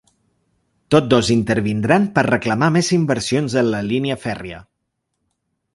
Tots dos intervindran per reclamar més inversions en la línia fèrria.